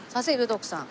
徳さん。